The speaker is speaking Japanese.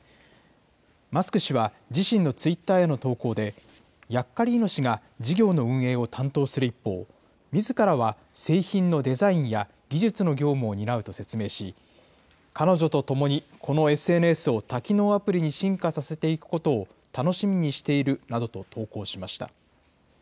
マスク氏は自身のツイッターへの投稿で、ヤッカリーノ氏が事業の運営を担当する一方、みずからは製品のデザインや技術の業務を担うと説明し、彼女と共にこのＳＮＳを多機能アプリに進化させていくことを楽しみにしているなどと投稿しました。